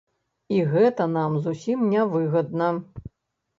І гэта нам зусім нявыгадна.